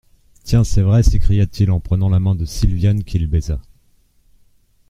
Tiens, c'est vrai ! s'écria-t-il, en prenant la main de Silviane, qu'il baisa.